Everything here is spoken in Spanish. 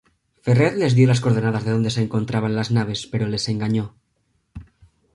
Ferret les dio las coordenadas de donde se encontraban las naves pero les engañó.